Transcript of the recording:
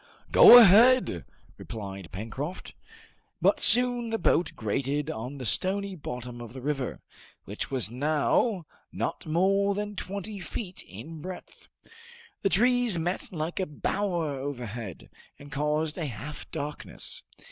"Go ahead!" replied Pencroft. But soon the boat grated on the stony bottom of the river, which was now not more than twenty feet in breadth. The trees met like a bower overhead, and caused a half darkness.